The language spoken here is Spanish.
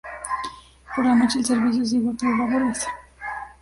Por la noche el servicio es igual que los laborables.